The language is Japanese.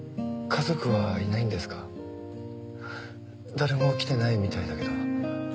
誰も来てないみたいだけど。